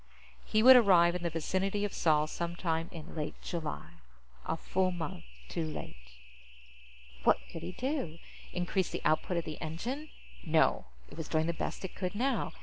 He would arrive in the vicinity of Sol some time in late July a full month too late. What could he do? Increase the output of the engine? No. It was doing the best it could now.